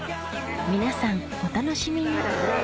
皆さんお楽しみに！